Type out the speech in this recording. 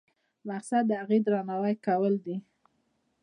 مقصد د هغې درناوی کول دي.